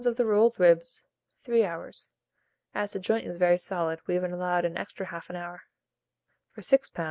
of the rolled ribs, 3 hours (as the joint is very solid, we have allowed an extra 1/2 hour); for 6 lbs.